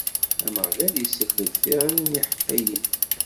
Ameɣlal isell-d i tiɣri n yiḥeqqiyen.